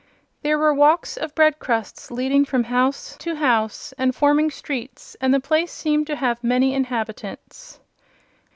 There were walks of bread crusts leading from house to house and forming streets, and the place seemed to have many inhabitants.